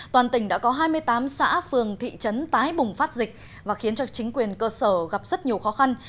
toàn tỉnh đã có hai mươi tám xã phường thị trấn tái bùng phát dịch và khiến cho chính quyền cơ sở gặp rất nhiều khó khăn